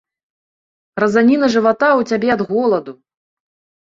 Разаніна жывата ў цябе ад голаду.